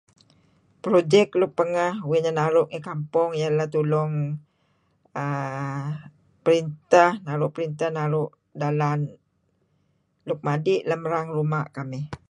Projek luk pengeh uih neh naru' ngi kampong iyeh lah tulung aah perinteh naru' perintah naru' dalan luk madi' lem erang ruma' kamih